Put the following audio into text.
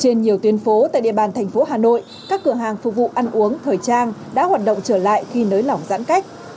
trên nhiều tuyến phố tại địa bàn thành phố hà nội các cửa hàng phục vụ ăn uống thời trang đã hoạt động trở lại khi nới lỏng giãn cách